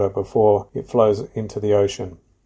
sejak program reef aid kita mulai di tahun dua ribu enam belas